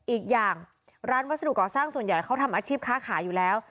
อีกอย่างร้านวัสดุก่อสร้างส่วนใหญ่เขาทำอาชีพค้าขายอยู่แล้ว